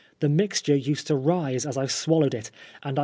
The mixture used to rise as I swallowed it, and I.